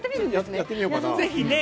やってみようかな。